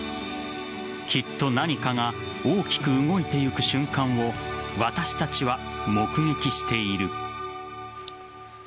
きっと何かが大きく動いていく瞬間を私たちは目撃している。